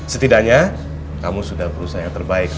setidaknya kamu sudah berusaha yang terbaik